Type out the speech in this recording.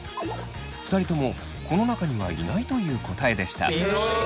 ２人ともこの中にはいないという答えでした。